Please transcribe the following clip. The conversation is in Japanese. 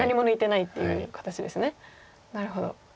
なるほど。